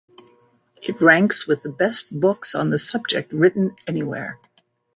It ranks with the best books on the subject written anywhere.